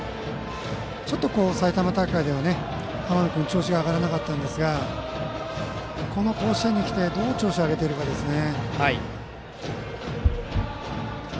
ちょっと埼玉大会では浜野君、調子が上がらなかったんですがこの甲子園に来てどう調子を上げているかですね。